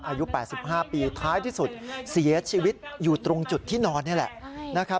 อายุ๘๕ปีท้ายที่สุดเสียชีวิตอยู่ตรงจุดที่นอนนี่แหละนะครับ